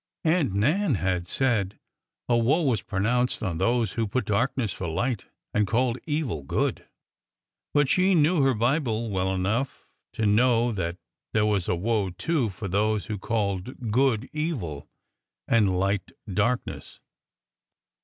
Aunt Nan had said a woe was pronounced on those who put darkness for light and called evil good, but she knew her Bible well enough to know that there was a woe, too, for those who called good, evil — and light, darkness.